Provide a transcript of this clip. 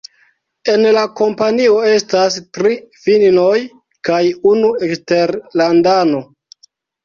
En la kompanio estas tri finnoj kaj unu eksterlandano.